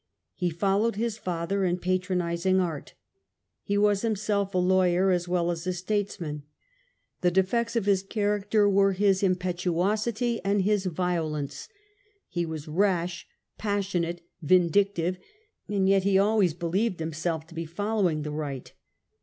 He followed his father in patronizing art. He was himself a lawyer as well as a statesman. The (M 78) p 82 KING EDWARD'S CHARACTER. defects of his character were his impetuosity and his violence. He was rash, passionate, vindictive; and yet he always believed himself to be following the right.